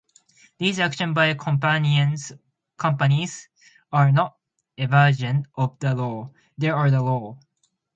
These actions by companies are not evasions of the law; they are the law.